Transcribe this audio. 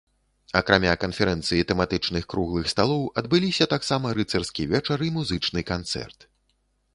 Акрамя канферэнцыі, тэматычных круглых сталоў адбыліся таксама рыцарскі вечар і музычны канцэрт.